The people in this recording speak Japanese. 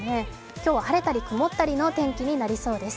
今日は晴れたり曇ったりの天気になりそうです